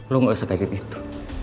lo gak usah kayak gitu